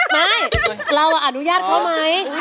ไม่เราอนุญาตเขาไหม